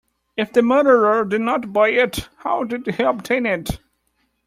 If the murderer did not buy it, how did he obtain it?